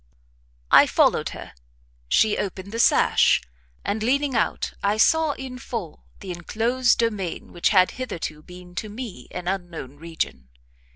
I followed her; she opened the sash, and leaning out I saw in full the enclosed demesne which had hitherto been to me an unknown region.